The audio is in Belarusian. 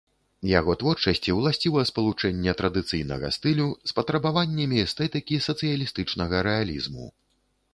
Яго творчасці ўласціва спалучэнне традыцыйнага стылю з патрабаваннямі эстэтыкі сацыялістычнага рэалізму.